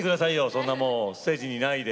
そんなもうステージにいないで！